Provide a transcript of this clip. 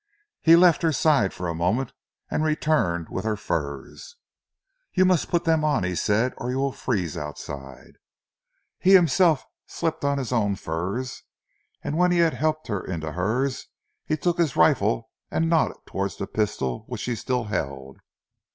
He left her side for a moment, and returned with her furs. "You must put them on," he said, "or you will freeze outside." He himself had slipped on his own furs, and when he had helped her into hers, he took his rifle and nodded towards the pistol which she still held.